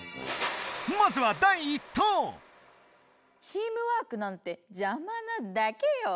まずはチームワークなんてジャマなだけよ。